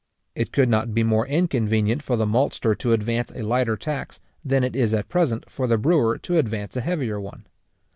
It could not be more inconvenient for the maltster to advance a lighter tax, than it is at present for the brewer to advance a heavier one.